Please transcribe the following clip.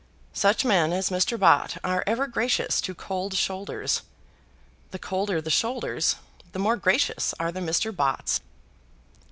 Such men as Mr. Bott are ever gracious to cold shoulders. The colder the shoulders, the more gracious are the Mr. Botts.